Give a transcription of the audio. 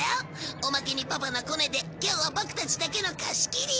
おまけにパパのコネで今日はボクたちだけの貸し切り！